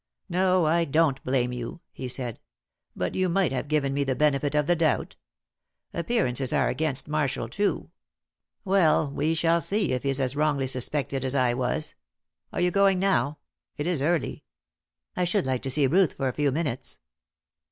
"No, I don't blame you," he said. "But you might have given me the benefit of the doubt. Appearances are against Marshall, too. Well, we shall see if he is as wrongly suspected as I was. Are you going now? It is early." "I should like to see Ruth for a few minutes."